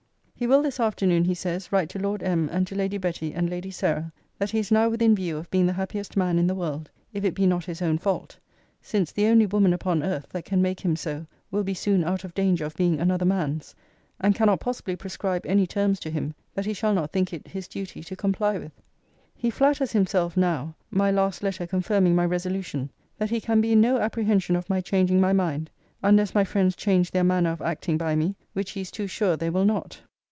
'He will this afternoon, he says, write to Lord M. and to Lady Betty and Lady Sarah, that he is now within view of being the happiest man in the world, if it be not his own fault; since the only woman upon earth that can make him so will be soon out of danger of being another man's; and cannot possibly prescribe any terms to him that he shall not think it his duty to comply with. 'He flatters himself now (my last letter confirming my resolution) that he can be in no apprehension of my changing my mind, unless my friends change their manner of acting by me; which he is too sure they will not.